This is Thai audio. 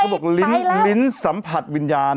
เขาบอกลิ้นสัมผัสวิญญาณ